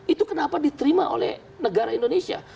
itu kenapa diterima oleh negara indonesia